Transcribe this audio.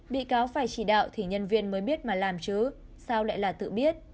bị cáo phải chỉ đạo thì nhân viên mới biết mà làm chứ sao lại là tự biết